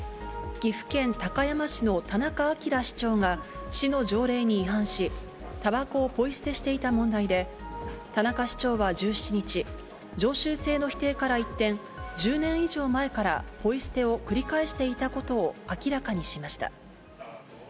岐阜県高山市の田中明市長が市の条例に違反し、たばこをポイ捨てしていた問題で、田中市長は１７日、常習性の否定から一転、１０年以上前からポイ捨てを繰り返していたことを明らかにしました。